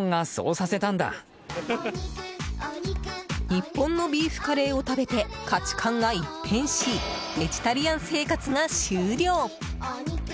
日本のビーフカレーを食べて価値観が一変しベジタリアン生活が終了！